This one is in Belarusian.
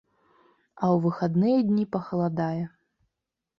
А ў выхадныя дні пахаладае.